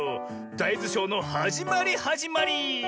だいずショーのはじまりはじまり！